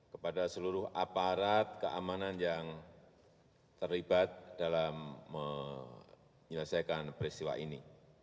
kepada seluruh aparat keamanan yang terlibat dalam menyelesaikan peristiwa ini